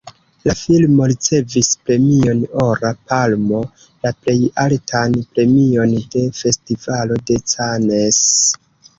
La filmo ricevis premion Ora Palmo, la plej altan premion de Festivalo de Cannes.